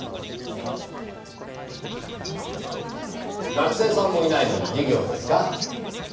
学生さんもいないのに授業ですか？